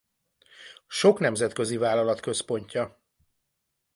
Sok nemzetközi vállalat központja.